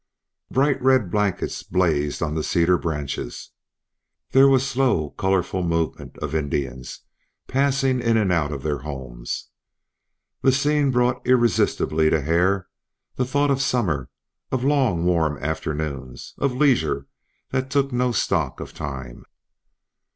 Bright red blankets blazed on the cedar branches. There was slow colorful movement of Indians, passing in and out of their homes. The scene brought irresistibly to Hare the thought of summer, of long warm afternoons, of leisure that took no stock of time.